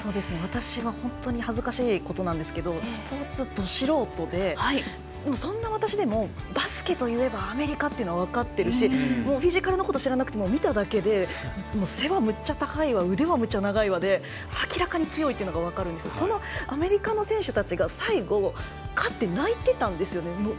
私は本当に恥ずかしいことなんですけどスポーツど素人でそんな私でもバスケといえばアメリカというのは分かっていますしフィジカル知らなくても見ただけで背はむっちゃ高いわ腕はむっちゃ長いわで明らかに強いというのが分かるのでそのアメリカの選手たちが最後、勝って泣いてたんですよね。